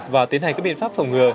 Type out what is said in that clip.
và tiến hành các biện pháp phòng ngừa